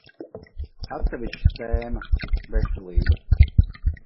Atsevišķa tēma – veselība.